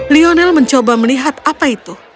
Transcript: lionel mencoba melihat apa itu